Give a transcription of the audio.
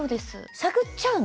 探っちゃうの？